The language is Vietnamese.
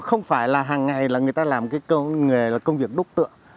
không phải là hằng ngày là người ta làm cái công việc đúc tượng